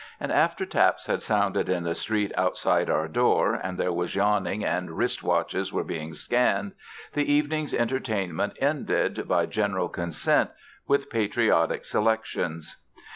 And after taps had sounded in the street outside our door, and there was yawning, and wrist watches were being scanned, the evening's entertainment ended, by general consent, with patriotic selections.